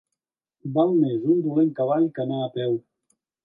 Val més un dolent cavall que anar a peu.